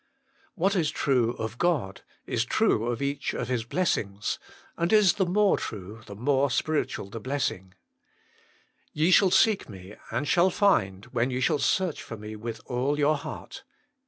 What is true of God is true of each of His blessings, and is the more true the more spiritual the blessing :" Ye shall seek Me, and shall find, when ye shall search for Me with all your heart " (Jer.